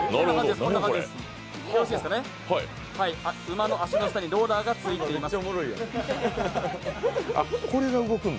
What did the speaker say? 馬の足の下にローラーがついております。